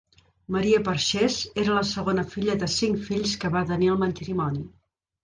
Maria Perxés era la segona filla de cinc fills que va tenir el matrimoni.